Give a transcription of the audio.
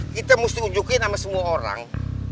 kita mesti unjukin sama semua orang